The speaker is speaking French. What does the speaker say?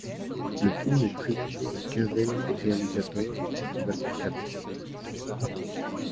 Le film est présenté à la quinzaine des réalisateurs au Festival de Cannes.